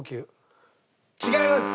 違います！